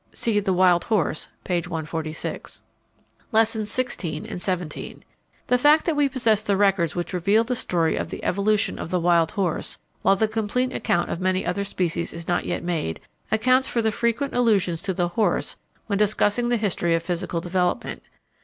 (See The Wild Horse, p. 146.) Lessons XVI. and XVII. The fact that we possess the records which reveal the story of the evolution of the wild horse while the complete account of many other species is not yet made, accounts for the frequent allusions to the horse when discussing the history of physical development.